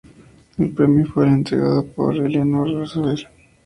El premio le fue entregado por Eleanor Roosevelt.